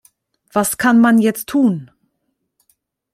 Was kann man jetzt tun?